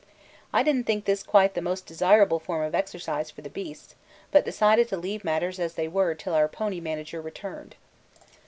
I didn't think this quite the most desirable form of exercise for the beasts, but decided to leave matters as they were till our pony manager returned.